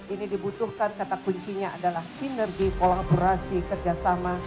ini dibutuhkan kata kuncinya adalah sinergi kolaborasi kerjasama